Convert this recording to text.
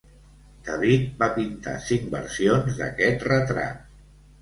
David va pintar cinc versions d'aquest retrat.